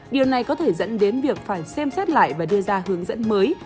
điều này có thể dẫn đến việc phải xem xét lại và đưa ra hướng dẫn mới